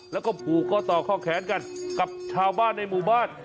แล้วก็ผูกข้อต่อข้อแขนกันกับชาวบ้านในหมู่บ้าน